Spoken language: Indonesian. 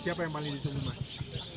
siapa yang paling ditunggu mas